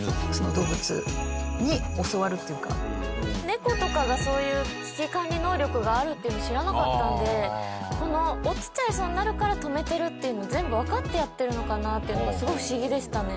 猫とかがそういう危機管理能力があるっていうの知らなかったんで落ちちゃいそうになるから止めてるっていうの全部わかってやってるのかなっていうのがすごい不思議でしたね。